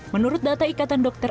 menurut data ikatan dokter